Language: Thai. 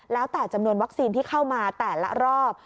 แล้วแต่จำนวนวัคซีนที่เข้ามาแต่ละรอบ